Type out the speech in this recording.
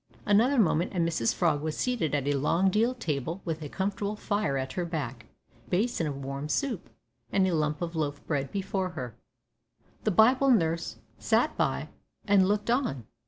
Another moment and Mrs Frog was seated at a long deal table with a comfortable fire at her back, a basin of warm soup, and a lump of loaf bread before her. The Bible nurse sat by and looked on.